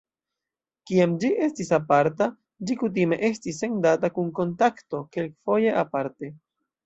Kiam ĝi estis aparta, ĝi kutime estis sendata kun "Kontakto", kelkfoje aparte.